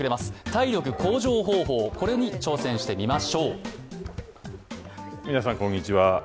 体力向上方法、これに挑戦してみましょう！